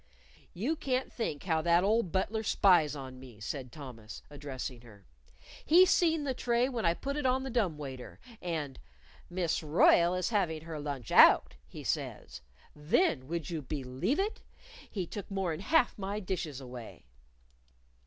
"You can't think how that old butler spies on me," said Thomas, addressing her. "He seen the tray when I put it on the dumb waiter. And, 'Miss Royle is havin' her lunch out,' he says. Then would you believe it, he took more'n half my dishes away!"